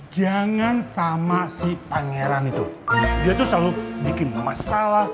jangan sama si pangeran itu dia tuh selalu bikin masalah